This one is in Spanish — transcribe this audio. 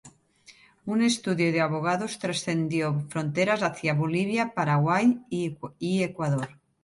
Su estudio de abogados, trascendió fronteras hacia Bolivia, Paraguay y Ecuador.